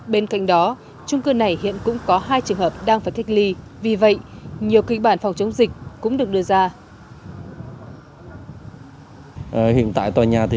bên cạnh đó trung cư này hiện cũng có hai bệnh nhân chống dịch covid một mươi chín